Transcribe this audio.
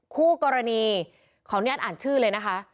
คู่กรณีขออนุญาตอ่านชื่อเลยนะคะ